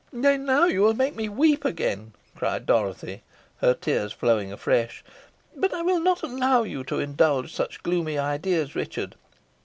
"Nay, now you will make me weep again," cried Dorothy, her tears flowing afresh. "But I will not allow you to indulge such gloomy ideas, Richard.